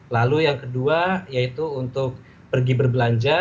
lalu yang kedua yaitu untuk pergi berbelanja